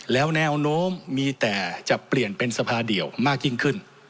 แล้วแนวโน้มมีแต่จะเปลี่ยนเป็นสภาเดียวมากยิ่งขึ้น